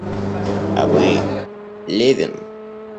А вы, Левин?